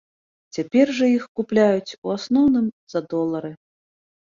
Цяпер жа іх купляюць у асноўным за долары.